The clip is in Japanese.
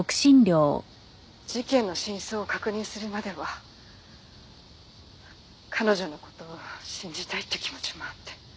「事件の真相を確認するまでは彼女の事を信じたいって気持ちもあって」